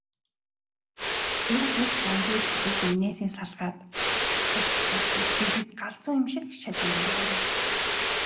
Тэр бүх дамжуулагчийг биенээсээ салгаад хаячихсан учир дэлгэц галзуу юм шиг шажигнан дуугарна.